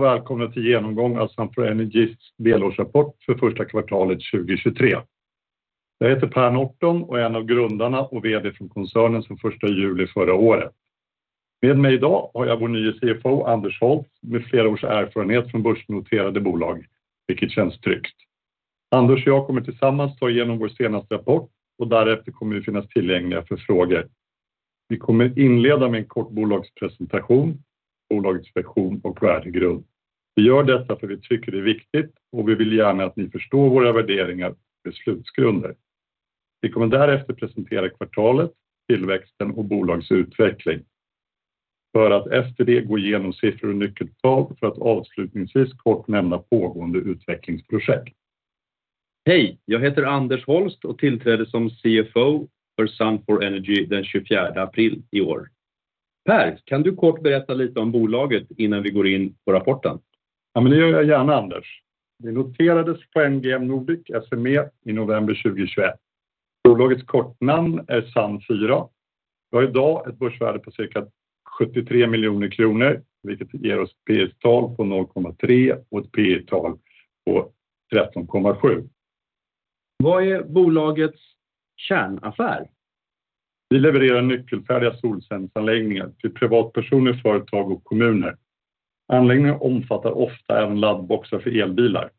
Välkomna till genomgången Sun4Energy delårsrapport för första kvartalet 2023. Jag heter Per Norrthon och är en av grundarna och VD för koncernen från första juli förra året. Med mig i dag har jag vår nye CFO, Anders Holst, med flera års erfarenhet från börsnoterade bolag, vilket känns tryggt. Anders och jag kommer tillsammans ta igenom vår senaste rapport och därefter kommer vi finnas tillgängliga för frågor. Vi kommer inleda med en kort bolagspresentation, bolagets vision och värdegrund. Vi gör detta för vi tycker det är viktigt och vi vill gärna att ni förstår våra värderingar och beslutsgrunder. Vi kommer därefter presentera kvartalet, tillväxten och bolagets utveckling. För att efter det gå igenom siffror och nyckeltal för att avslutningsvis kort nämna pågående utvecklingsprojekt. Hej, jag heter Anders Holst och tillträdde som CFO för Sun4Energy den 24th April i år. Per, kan du kort berätta lite om bolaget innan vi går in på rapporten? Ja, det gör jag gärna, Anders. Vi noterades på NGM Nordic SME i November 2021. Bolagets kortnamn är Sun4. Vi har i dag ett börsvärde på cirka 73 million kronor, vilket ger oss P/S-tal på 0.3 och ett P/E-tal på 13.7. Vad är bolagets kärnaffär? Vi levererar nyckelfärdiga solcellsanläggningar till privatpersoner, företag och kommuner. Anläggningen omfattar ofta även laddboxar för elbilar.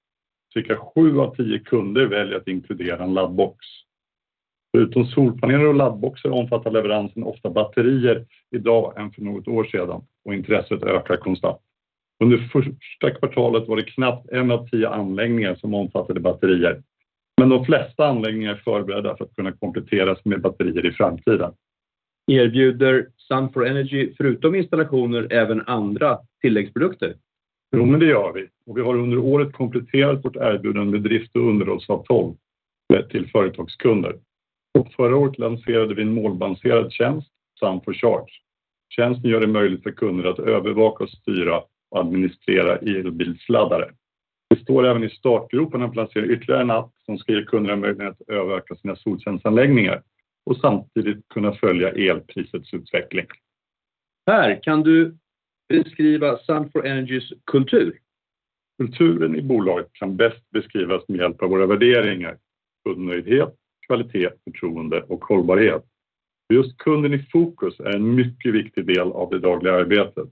Cirka 7 av 10 kunder väljer att inkludera en laddbox. Förutom solpaneler och laddboxar omfattar leveransen ofta batterier i dag än för något år sedan och intresset ökar konstant. Under första kvartalet var det knappt 1 av 10 anläggningar som omfattade batterier, men de flesta anläggningar är förberedda för att kunna kompletteras med batterier i framtiden. Erbjuder Sun4Energy förutom installationer, även andra tilläggsprodukter? Jo, men det gör vi och vi har under året kompletterat vårt erbjudande med drift- och underhållsavtal till företagskunder. Förra året lanserade vi en målbaserad tjänst, Sun4Charge. Tjänsten gör det möjligt för kunder att övervaka och styra och administrera elbilsladdare. Vi står även i startgroperna för att lansera ytterligare en app som ska ge kunderna möjlighet att övervaka sina solcellsanläggningar och samtidigt kunna följa elprisets utveckling. Per, kan du beskriva Sun4Energy's kultur? Kulturen i bolaget kan bäst beskrivas med hjälp av våra värderingar, kundnöjdhet, kvalitet, förtroende och hållbarhet. Just kunden i fokus är en mycket viktig del av det dagliga arbetet.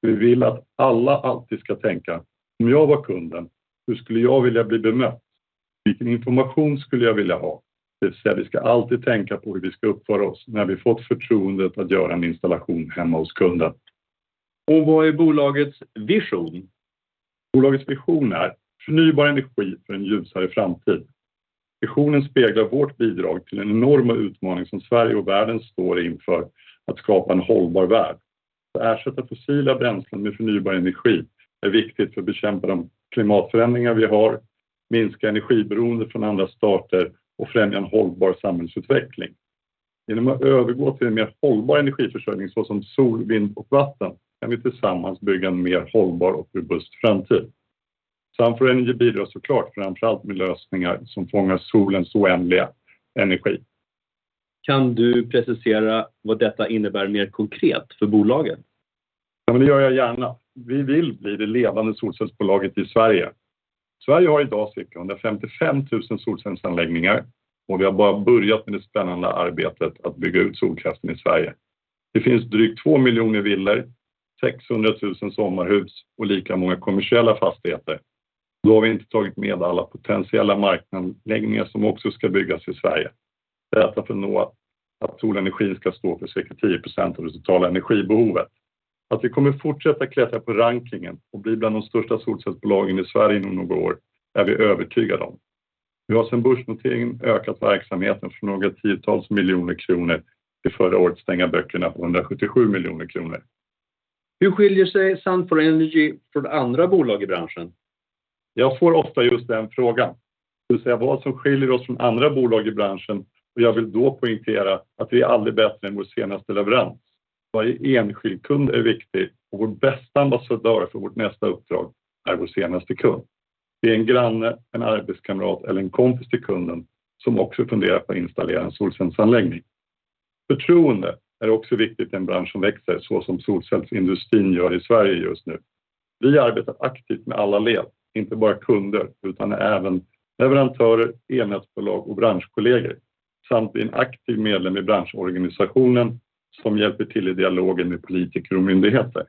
Vi vill att alla alltid ska tänka: om jag var kunden, hur skulle jag vilja bli bemött? Vilken information skulle jag vilja ha? Det vill säga, vi ska alltid tänka på hur vi ska uppföra oss när vi fått förtroendet att göra en installation hemma hos kunden. Vad är bolagets vision? Bolagets vision är förnybar energi för en ljusare framtid. Visionen speglar vårt bidrag till den enorma utmaning som Sverige och världen står inför att skapa en hållbar värld. Att ersätta fossila bränslen med förnybar energi är viktigt för att bekämpa de klimatförändringar vi har, minska energiberoendet från andra stater och främja en hållbar samhällsutveckling. Genom att övergå till en mer hållbar energiförsörjning, såsom sol, vind och vatten, kan vi tillsammans bygga en mer hållbar och robust framtid. Sun4Energy bidrar så klart framför allt med lösningar som fångar solens oändliga energi. Kan du precisera vad detta innebär mer konkret för bolaget? Ja, det gör jag gärna. Vi vill bli det ledande solcellsbolaget i Sverige. Sverige har i dag cirka 155,000 solcellsanläggningar och vi har bara börjat med det spännande arbetet att bygga ut solkraften i Sverige. Det finns drygt 2 million villor, 600,000 sommarhus och lika många kommersiella fastigheter. Vi har inte tagit med alla potentiella markanläggningar som också ska byggas i Sverige. Det är för att nå att solenergin ska stå för cirka 10% av det totala energibehovet. Vi kommer fortsätta klättra på rankingen och bli bland de största solcellsbolagen i Sverige inom några år, är vi övertygade om. Vi har sedan börsnoteringen ökat verksamheten från några tiotals miljoner SEK till förra årets stänga böckerna på 177 million kronor. Hur skiljer sig Sun4Energy från andra bolag i branschen? Jag får ofta just den frågan. Det vill säga, vad som skiljer oss från andra bolag i branschen och jag vill då poängtera att vi är aldrig bättre än vår senaste leverans. Varje enskild kund är viktig och vår bästa ambassadör för vårt nästa uppdrag är vår senaste kund. Det är en granne, en arbetskamrat eller en kompis till kunden som också funderar på att installera en solcellsanläggning. Förtroende är också viktigt i en bransch som växer, så som solcellsindustrin gör i Sverige just nu. Vi arbetar aktivt med alla led, inte bara kunder, utan även leverantörer, elnätsbolag och branschkollegor. Vi är en aktiv medlem i branschorganisationen som hjälper till i dialogen med politiker och myndigheter.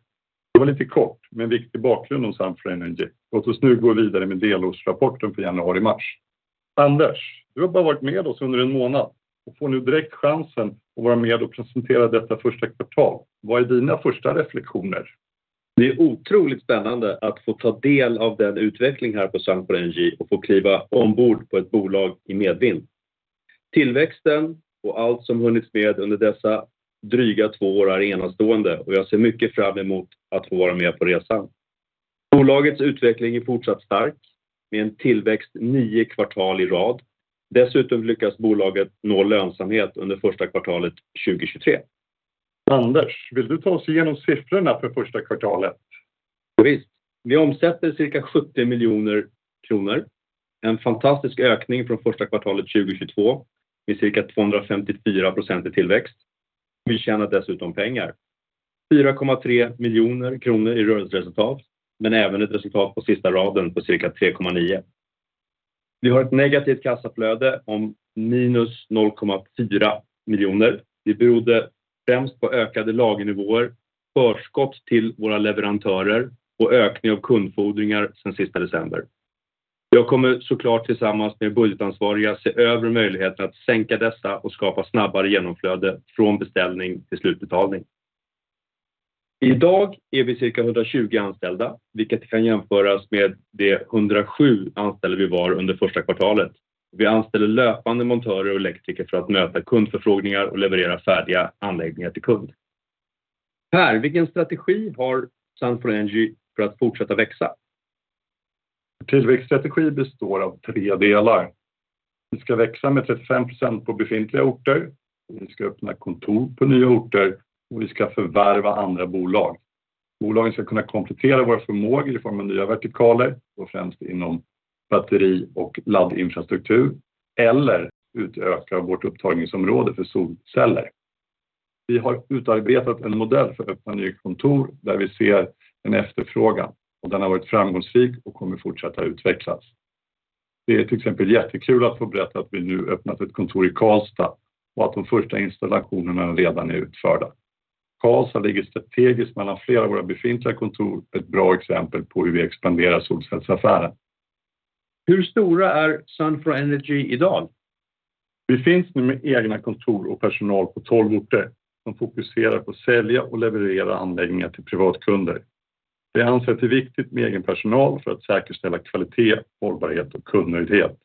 Det var lite kort, men viktig bakgrund om Sun4Energy. Låt oss nu gå vidare med delårsrapporten för januari-mars. Anders, du har bara varit med oss under en månad och får nu direkt chansen att vara med och presentera detta första kvartal. Vad är dina första reflektioner? Det är otroligt spännande att få ta del av den utveckling här på Sun4Energy och få kliva ombord på ett bolag i medvind. Tillväxten och allt som hunnits med under dessa dryga 2 år är enastående och jag ser mycket fram emot att få vara med på resan. Bolagets utveckling är fortsatt stark med en tillväxt 9 kvartal i rad. Dessutom lyckas bolaget nå lönsamhet under första kvartalet 2023. Anders, vill du ta oss igenom siffrorna för första kvartalet? Vi omsätter cirka 70 million kronor. En fantastisk ökning från Q1 2022 med cirka 254% i tillväxt. Vi tjänar dessutom pengar. 4.3 million kronor i rörelseresultat, även ett resultat på sista raden på cirka 3.9 million. Vi har ett negativt kassaflöde om minus 0.4 million. Det berodde främst på ökade lagernivåer, förskott till våra leverantörer och ökning av kundfordringar sedan sista December. Jag kommer så klart tillsammans med budgetansvariga se över möjligheten att sänka dessa och skapa snabbare genomflöde från beställning till slutbetalning. Idag är vi cirka 120 anställda, vilket kan jämföras med de 107 anställda vi var under Q1. Vi anställer löpande montörer och elektriker för att möta kundförfrågningar och leverera färdiga anläggningar till kund. Per, vilken strategi har Sun4Energy för att fortsätta växa? Tillväxtstrategi består av tre delar. Vi ska växa med 35% på befintliga orter, vi ska öppna kontor på nya orter och vi ska förvärva andra bolag. Bolagen ska kunna komplettera våra förmågor i form av nya vertikaler och främst inom batteri och laddinfrastruktur, eller utöka vårt upptagningsområde för solceller. Vi har utarbetat en modell för att öppna nytt kontor där vi ser en efterfrågan och den har varit framgångsrik och kommer fortsätta utvecklas. Det är till exempel jättekul att få berätta att vi nu öppnat ett kontor i Karlstad och att de första installationerna redan är utförda. Karlstad ligger strategiskt mellan flera av våra befintliga kontor. Ett bra exempel på hur vi expanderar solcellsaffären. Hur stora är Sun4Energy i dag? Vi finns nu med egna kontor och personal på tolv orter som fokuserar på att sälja och leverera anläggningar till privatkunder. Vi anser att det är viktigt med egen personal för att säkerställa kvalitet, hållbarhet och kundnöjdhet.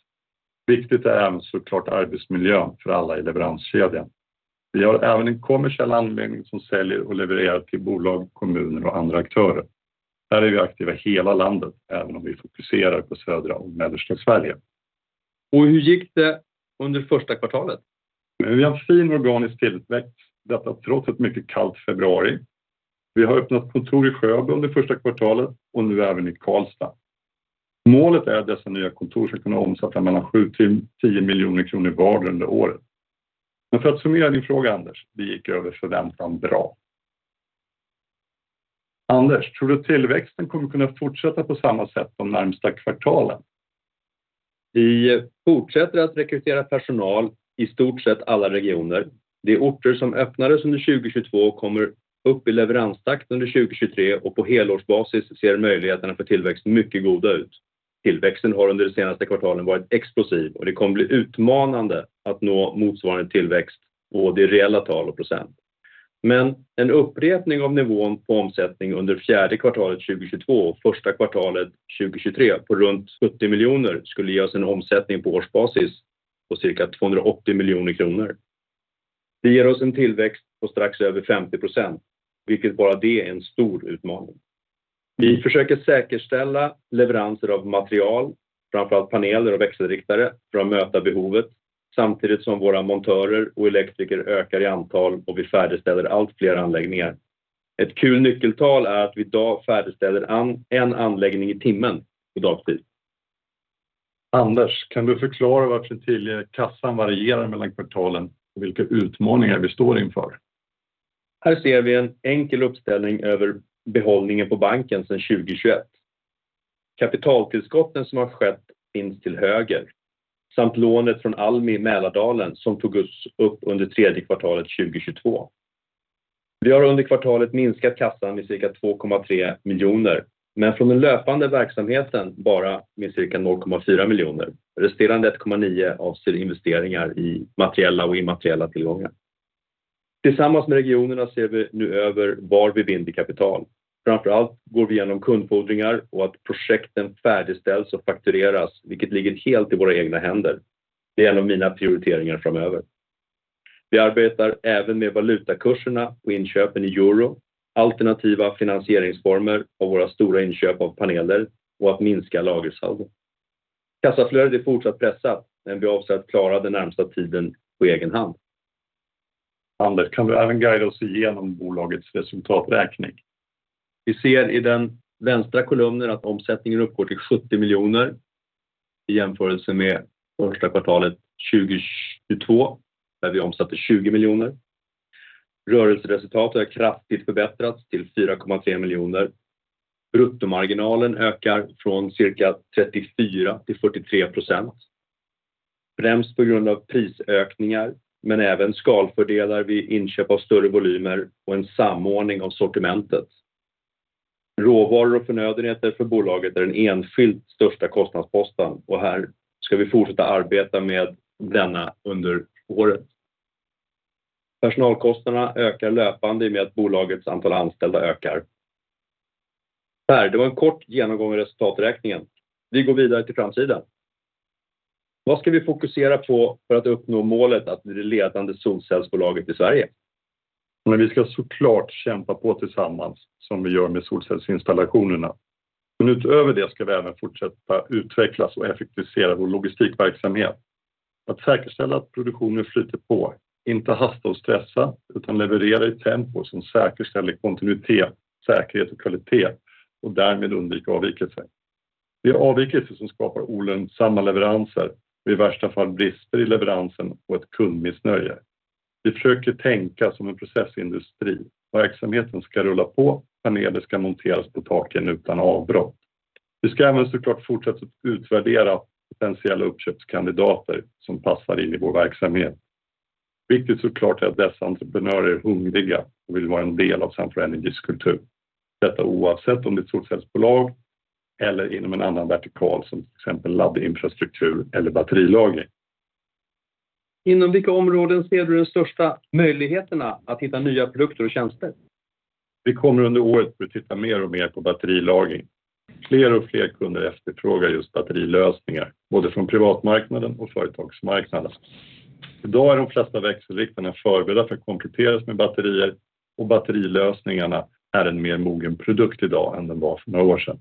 Viktigt är även så klart arbetsmiljön för alla i leveranskedjan. Vi har även en kommersiell anläggning som säljer och levererar till bolag, kommuner och andra aktörer. Här är vi aktiva i hela landet, även om vi fokuserar på södra och mellersta Sverige. Hur gick det under första kvartalet? Vi har en fin organisk tillväxt. Detta trots ett mycket kallt februari. Vi har öppnat kontor i Sjöbo under första kvartalet och nu även i Karlstad. Målet är att dessa nya kontor ska kunna omsätta mellan 7 million-10 million kronor var under året. För att summera din fråga, Anders, det gick över förväntan bra. Anders, tror du tillväxten kommer kunna fortsätta på samma sätt de närmsta kvartalen? Vi fortsätter att rekrytera personal i stort sett alla regioner. De orter som öppnades under 2022 kommer upp i leveranstakt under 2023 och på helårsbasis ser möjligheterna för tillväxt mycket goda ut. Tillväxten har under de senaste kvartalen varit explosiv och det kommer bli utmanande att nå motsvarande tillväxt, både i reella tal och %. En upprepning av nivån på omsättning under Q4 2022 och Q1 2023 på runt 70 million, skulle ge oss en omsättning på årsbasis på cirka 280 million kronor. Det ger oss en tillväxt på strax över 50%, vilket bara det är en stor utmaning. Vi försöker säkerställa leveranser av material, framför allt paneler och växelriktare, för att möta behovet, samtidigt som våra montörer och elektriker ökar i antal och vi färdigställer allt fler anläggningar. Ett kul nyckeltal är att vi i dag färdigställer en anläggning i timmen på dagtid. Anders, kan du förklara varför den tidigare kassan varierar mellan kvartalen och vilka utmaningar vi står inför? Här ser vi en enkel uppställning över behållningen på banken sedan 2021. Kapitaltillskotten som har skett finns till höger, samt lånet från Almi Mälardalen som togs upp under third quarter 2022. Vi har under kvartalet minskat kassan med cirka 2.3 million, men från den löpande verksamheten bara med cirka 0.4 million. Resterande 1.9 avser investeringar i materiella och immateriella tillgångar. Tillsammans med regionerna ser vi nu över var vi binder kapital. Framför allt går vi igenom kundfordringar och att projekten färdigställs och faktureras, vilket ligger helt i våra egna händer. Det är en av mina prioriteringar framöver. Vi arbetar även med valutakurserna och inköpen i euro, alternativa finansieringsformer av våra stora inköp av paneler och att minska lagersaldo. Kassaflödet är fortsatt pressat, men vi avser att klara den närmaste tiden på egen hand. Anders, kan du även guida oss igenom bolagets resultaträkning? Vi ser i den vänstra kolumnen att omsättningen uppgår till 70 million i jämförelse med första kvartalet 2022, där vi omsatte 20 million. Rörelseresultatet har kraftigt förbättrats till 4.3 million. Bruttomarginalen ökar från cirka 34% till 43%. Främst på grund av prisökningar, men även skalfördelar vid inköp av större volymer och en samordning av sortimentet. Råvaror och förnödenheter för bolaget är den enskilt största kostnadsposten och här ska vi fortsätta arbeta med denna under året. Personalkostnaderna ökar löpande i med att bolagets antal anställda ökar. Det var en kort genomgång i resultaträkningen. Vi går vidare till framsidan. Vad ska vi fokusera på för att uppnå målet att bli det ledande solcellsbolaget i Sverige? Vi ska så klart kämpa på tillsammans, som vi gör med solcellsinstallationerna. Utöver det ska vi även fortsätta utvecklas och effektivisera vår logistikverksamhet. Att säkerställa att produktionen flyter på, inte hasta och stressa, utan leverera i tempo som säkerställer kontinuitet, säkerhet och kvalitet och därmed undvika avvikelser. Det är avvikelser som skapar olönsamma leveranser och i värsta fall brister i leveransen och ett kundmissnöje. Vi försöker tänka som en processindustri. Verksamheten ska rulla på, paneler ska monteras på taken utan avbrott. Vi ska även så klart fortsätta utvärdera potentiella uppköpskandidater som passar in i vår verksamhet. Viktigt så klart är att dessa entreprenörer är hungriga och vill vara en del av Sun4Energy's kultur. Detta oavsett om det är ett solcellsbolag eller inom en annan vertikal, som till exempel laddinfrastruktur eller batterilagring. Inom vilka områden ser du den största möjligheterna att hitta nya produkter och tjänster? Vi kommer under året att börja titta mer och mer på batterilagring. Fler och fler kunder efterfrågar just batterilösningar, både från privatmarknaden och företagsmarknaden. Idag är de flesta växelriktarna förberedda för att kompletteras med batterier och batterilösningarna är en mer mogen produkt i dag än den var för några år sedan.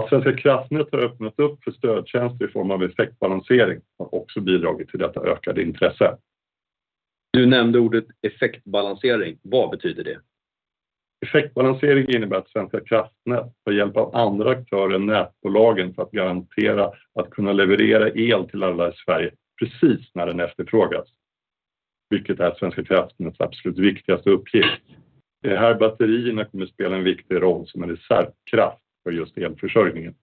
Att Svenska Kraftnät har öppnat upp för stödtjänster i form av effektbalansering har också bidragit till detta ökade intresse. Du nämnde ordet effektbalansering. Vad betyder det? Effektbalansering innebär att Svenska kraftnät tar hjälp av andra aktörer än nätbolagen för att garantera att kunna leverera el till alla i Sverige precis när den efterfrågas, vilket är Svenska kraftnäts absolut viktigaste uppgift. Det är här batterierna kommer att spela en viktig roll som en reservkraft för just elförsörjningen.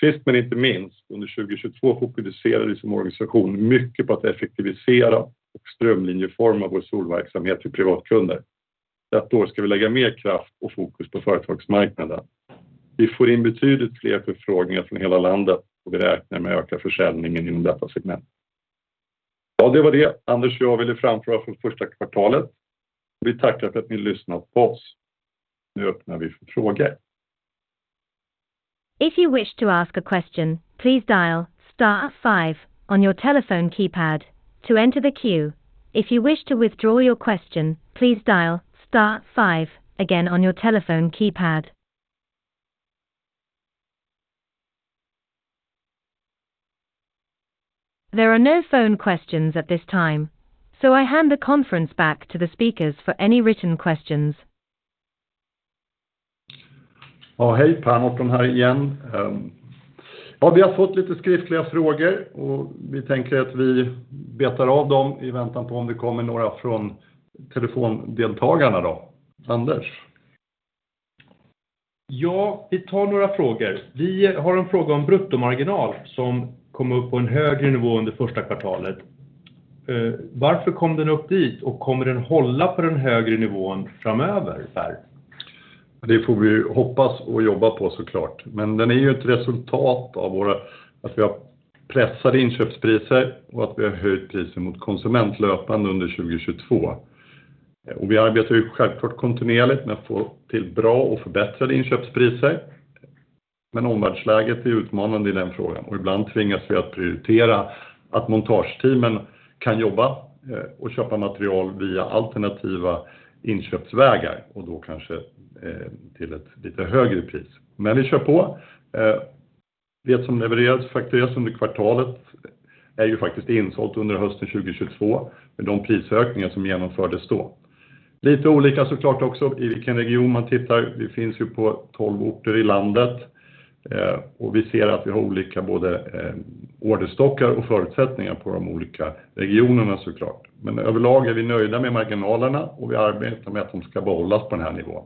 Sist men inte minst, under 2022 fokuserade vi som organisation mycket på att effektivisera och strömlinjeforma vår solverksamhet för privatkunder. Detta år ska vi lägga mer kraft och fokus på företagsmarknaden. Vi får in betydligt fler förfrågningar från hela landet och vi räknar med att öka försäljningen inom detta segment. Det var det, Anders och jag ville framföra från första kvartalet. Vi tackar för att ni lyssnat på oss. Nu öppnar vi för frågor. If you wish to ask a question, please dial star five on your telephone keypad to enter the queue. If you wish to withdraw your question, please dial star five again on your telephone keypad. There are no phone questions at this time. I hand the conference back to the speakers for any written questions. Hej Pär, Nordlund här igen. Vi har fått lite skriftliga frågor och vi tänker att vi betar av dem i väntan på om det kommer några från telefondeltagarna då. Anders? Vi tar några frågor. Vi har en fråga om bruttomarginal som kom upp på en högre nivå under första kvartalet. Varför kom den upp dit och kommer den hålla på den högre nivån framöver, Pär? Det får vi ju hoppas och jobba på så klart, den är ju ett resultat av att vi har pressade inköpspriser och att vi har höjt priset mot konsument löpande under 2022. Vi arbetar ju självklart kontinuerligt med att få till bra och förbättrade inköpspriser. Omvärldsläget är utmanande i den frågan och ibland tvingas vi att prioritera att montageteamen kan jobba och köpa material via alternativa inköpsvägar och då kanske till ett lite högre pris. Vi kör på! Det som levereras och faktureras under kvartalet är ju faktiskt insålt under hösten 2022, med de prisökningar som genomfördes då. Lite olika så klart också, i vilken region man tittar. Vi finns ju på 12 orter i landet, vi ser att vi har olika både orderstockar och förutsättningar på de olika regionerna så klart. Överlag är vi nöjda med marginalerna och vi arbetar med att de ska behållas på den här nivån.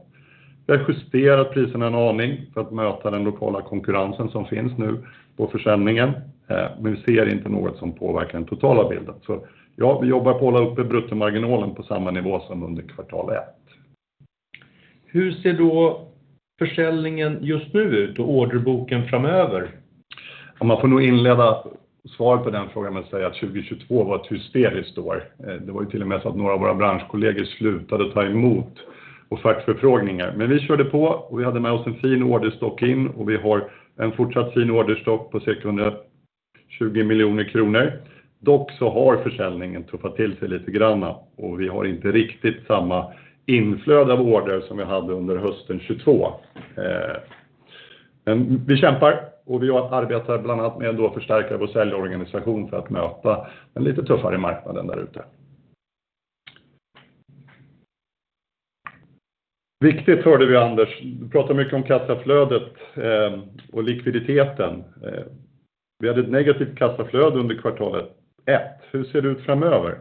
Vi har justerat priserna en aning för att möta den lokala konkurrensen som finns nu på försäljningen, men vi ser inte något som påverkar den totala bilden. Ja, vi jobbar på att hålla uppe bruttomarginalen på samma nivå som under kvartal ett. Hur ser då försäljningen just nu ut och orderboken framöver? man får nog inleda svar på den frågan med att säga att 2022 var ett hysteriskt år. Det var ju till och med så att några av våra branschkollegor slutade ta emot offertförfrågningar. vi körde på och vi hade med oss en fin orderstock in och vi har en fortsatt fin orderstock på cirka 120 miljoner SEK. Dock så har försäljningen tuffat till sig lite grann och vi har inte riktigt samma inflöde av order som vi hade under hösten 2022. vi kämpar och vi arbetar bland annat med att förstärka vår säljorganisation för att möta den lite tuffare marknaden där ute. Viktigt hörde vi Anders. Du pratar mycket om kassaflödet och likviditeten. Vi hade ett negativt kassaflöde under kvartalet 1. Hur ser det ut framöver?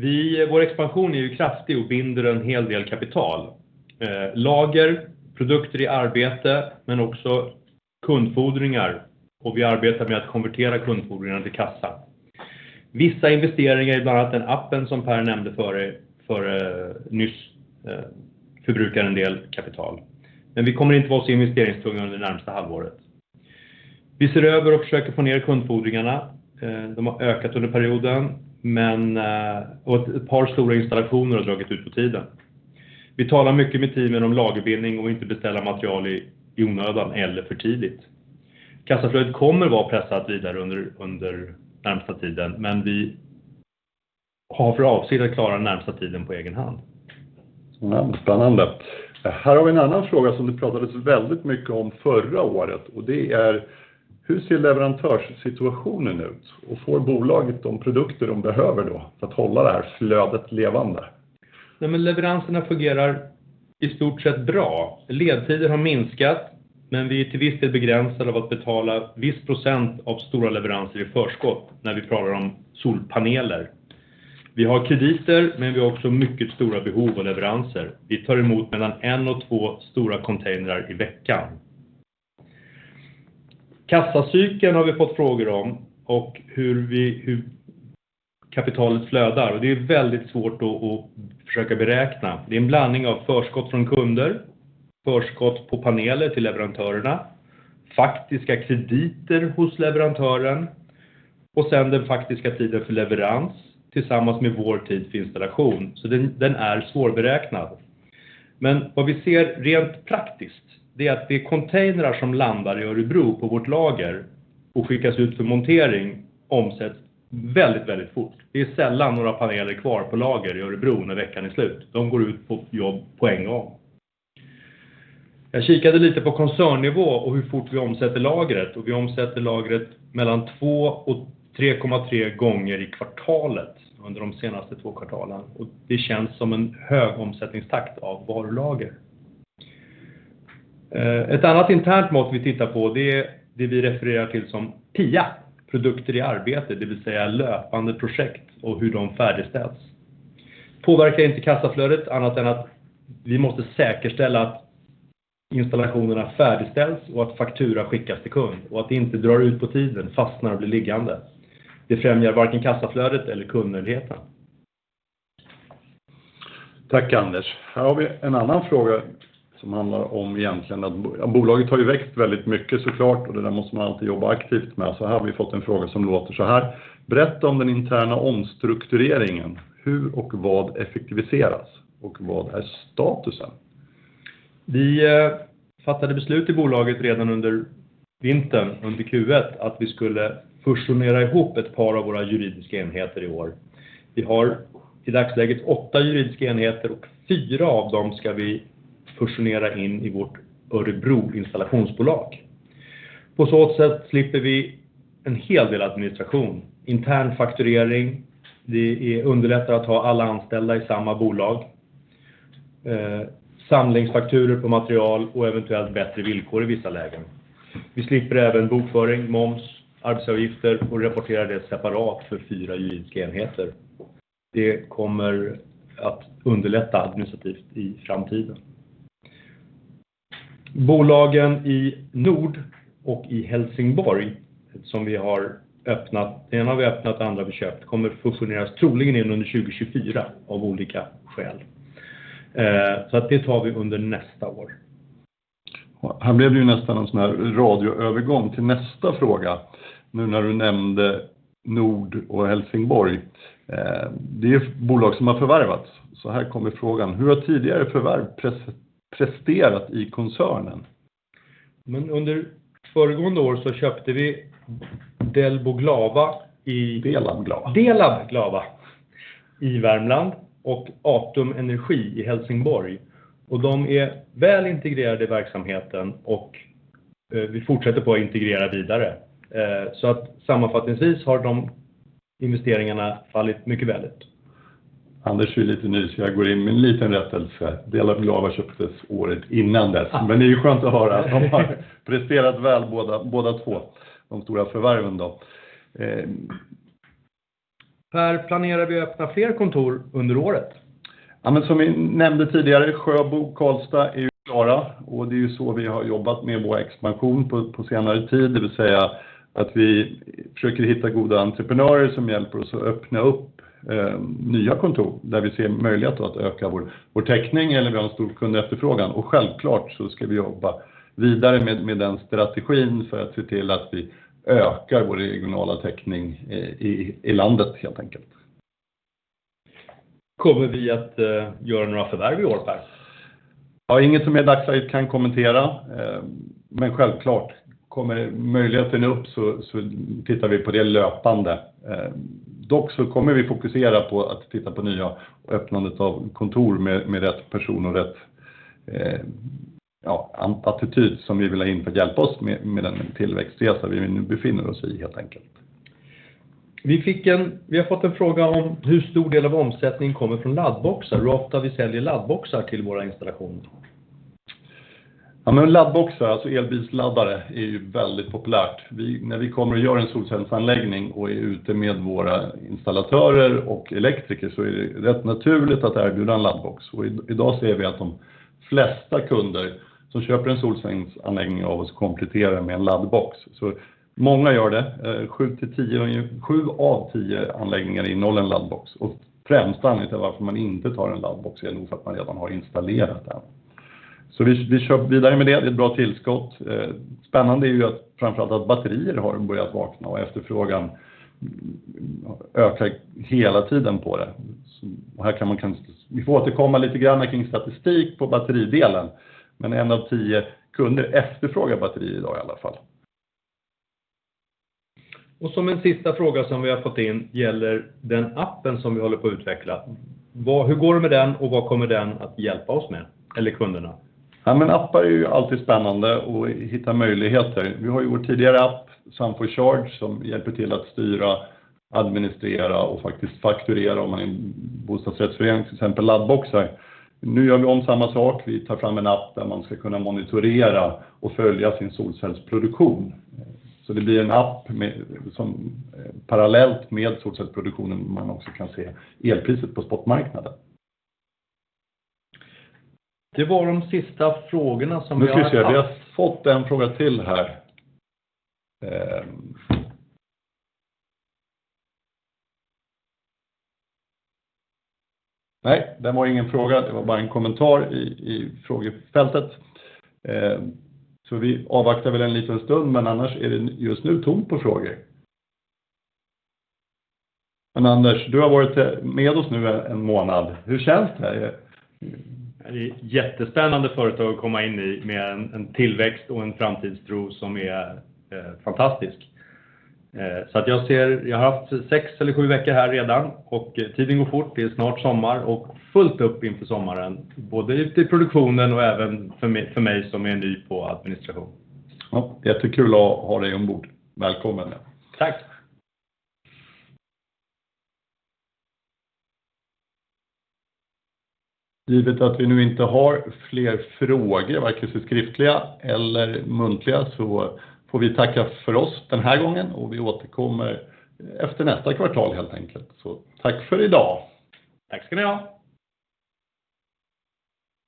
Vi, vår expansion är ju kraftig och binder en hel del kapital. Lager, produkter i arbete, men också kundfordringar och vi arbetar med att konvertera kundfordringarna till kassa. Vissa investeringar, ibland den appen som Pär nämnde för nyss, förbrukar en del kapital. Vi kommer inte vara så investeringstunga under det närmaste halvåret. Vi ser över och försöker få ner kundfordringarna. De har ökat under perioden, och ett par stora installationer har dragit ut på tiden. Vi talar mycket med teamen om lagerbindning och inte beställa material i onödan eller för tidigt. Kassaflödet kommer vara pressat vidare under närmsta tiden, men vi har för avsikt att klara den närmsta tiden på egen hand. Spännande! Här har vi en annan fråga som det pratades väldigt mycket om förra året och det är: hur ser leverantörssituationen ut? Får bolaget de produkter de behöver då för att hålla det här flödet levande? Leveranserna fungerar i stort sett bra. Ledtider har minskat, men vi är till viss del begränsade av att betala viss % av stora leveranser i förskott när vi pratar om solpaneler. Vi har krediter, men vi har också mycket stora behov och leveranser. Vi tar emot mellan 1 och 2 stora containrar i veckan. Kassacykeln har vi fått frågor om och hur kapitalet flödar. Det är väldigt svårt att försöka beräkna. Det är en blandning av förskott från kunder, förskott på paneler till leverantörerna, faktiska krediter hos leverantören och sen den faktiska tiden för leverans tillsammans med vår tid för installation. Den är svårberäknad. Vad vi ser rent praktiskt, det är att det är containrar som landar i Örebro på vårt lager och skickas ut för montering, omsätts väldigt fort. Det är sällan några paneler kvar på lager i Örebro när veckan är slut. De går ut på jobb på en gång. Jag kikade lite på koncernnivå och hur fort vi omsätter lagret och vi omsätter lagret mellan 2 och 3.3 gånger i kvartalet under de senaste 2 kvartalen. Det känns som en hög omsättningstakt av varulager. Ett annat internt mått vi tittar på, det är det vi refererar till som PIA, produkter i arbete, det vill säga löpande projekt och hur de färdigställs. Påverkar inte kassaflödet annat än att vi måste säkerställa att installationerna färdigställs och att faktura skickas till kund och att det inte drar ut på tiden, fastnar och blir liggande. Det främjar varken kassaflödet eller kundnöjdheten. Tack Anders. Här har vi en annan fråga som handlar om egentligen att, ja, bolaget har ju väckt väldigt mycket så klart och det där måste man alltid jobba aktivt med. Här har vi fått en fråga som låter såhär: Berätta om den interna omstruktureringen? Hur och vad effektiviseras och vad är statusen? Vi fattade beslut i bolaget redan under vintern, under Q1, att vi skulle fusionera ihop ett par av våra juridiska enheter i år. Vi har i dagsläget 8 juridiska enheter och 4 av dem ska vi fusionera in i vårt Örebro installationsbolag. På så sätt slipper vi en hel del administration, internfakturering. Det underlättar att ha alla anställda i samma bolag. Samlingsfakturor på material och eventuellt bättre villkor i vissa lägen. Vi slipper även bokföring, moms, arbetsavgifter och rapportera det separat för 4 juridiska enheter. Det kommer att underlätta administrativt i framtiden. Bolagen i Nord och i Helsingborg, som vi har öppnat, ena har vi öppnat, andra vi köpt, kommer fusioneras troligen in under 2024 av olika skäl. Det tar vi under nästa år. Här blev det ju nästan en sån här radioövergång till nästa fråga, nu när du nämnde Nord och Helsingborg. Det är ju bolag som har förvärvats. Här kommer frågan: hur har tidigare förvärv presterat i koncernen? under föregående år så köpte vi Delab Glava. Delab Glava. Delab Glava! I Värmland och Atum Energi i Helsingborg. De är väl integrerade i verksamheten och vi fortsätter på att integrera vidare. Sammanfattningsvis har de investeringarna fallit mycket väl ut. Anders, är lite nysian, jag går in med en liten rättelse. Delab Glava köptes året innan dess, men det är ju skönt att höra. De har presterat väl, båda två, de stora förvärven då. Per, planerar vi att öppna fler kontor under året? Ja, men som vi nämnde tidigare, Sjöbo, Karlstad är ju klara och det är ju så vi har jobbat med vår expansion på senare tid. Det vill säga att vi försöker hitta goda entreprenörer som hjälper oss att öppna upp nya kontor, där vi ser möjlighet att öka vår täckning eller vi har en stor kundeefterfrågan. Självklart så ska vi jobba vidare med den strategin för att se till att vi ökar vår regionala täckning i landet, helt enkelt. Kommer vi att göra några förvärv i år, Per? Inget som är dagsajt kan kommentera, men självklart kommer möjligheten upp så tittar vi på det löpande. Vi kommer fokusera på att titta på nya och öppnandet av kontor med rätt person och rätt attityd som vi vill ha in för att hjälpa oss med den tillväxtresa vi nu befinner oss i, helt enkelt. Vi har fått en fråga om hur stor del av omsättning kommer från laddboxar och ofta vi säljer laddboxar till våra installationer? Laddboxar, alltså elbilsladdare, är ju väldigt populärt. Vi, när vi kommer och gör en solcellsanläggning och är ute med våra installatörer och elektriker, är det rätt naturligt att erbjuda en laddbox. I dag ser vi att de flesta kunder som köper en solcellsvärmeanläggning av oss kompletterar med en laddbox. Många gör det, 7-10, 7 av 10 anläggningar innehåller en laddbox och främsta anledningen varför man inte tar en laddbox är nog för att man redan har installerat den. Vi kör vidare med det. Det är ett bra tillskott. Spännande är ju att framför allt att batterier har börjat vakna och efterfrågan ökar hela tiden på det. Här vi får återkomma lite grann kring statistik på batteridelen, men 1 av 10 kunder efterfrågar batteri i dag i alla fall. som en sista fråga som vi har fått in gäller den appen som vi håller på att utveckla. Hur går det med den och vad kommer den att hjälpa oss med? Eller kunderna? Appar är ju alltid spännande att hitta möjligheter. Vi har ju vår tidigare app, Sun4Charge, som hjälper till att styra, administrera och faktiskt fakturera om man är en bostadsrättsförening, till exempel laddboxar. Nu gör vi om samma sak. Vi tar fram en app där man ska kunna monitorera och följa sin solcellsproduktion. Det blir en app med, som parallellt med solcellsproduktionen, man också kan se elpriset på spotmarknaden. Det var de sista frågorna som vi har. Nu ska jag se, vi har fått en fråga till här. Nej, det var ingen fråga, det var bara en kommentar i frågefältet. Vi avvaktar väl en liten stund, men annars är det just nu tomt på frågor. Anders, du har varit med oss nu en månad. Hur känns det? Det är ett jättespännande företag att komma in i med en tillväxt och en framtidstro som är fantastisk. Jag ser, jag har haft 6 eller 7 veckor här redan och tiden går fort, det är snart sommar och fullt upp inför sommaren, både ute i produktionen och även för mig som är ny på administration. Jättekul att ha dig ombord. Välkommen! Tack! Givet att vi nu inte har fler frågor, varken skriftliga eller muntliga, så får vi tacka för oss den här gången och vi återkommer efter nästa kvartal helt enkelt. Tack för i dag. Tack ska ni ha!